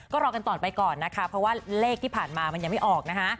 ก็รอกันต่อไปก่อนนะคะเพราะว่าเลขที่ผ่านมามันยังไม่ออกนะคะ